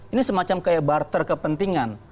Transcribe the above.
ini semacam kayak barter kepentingan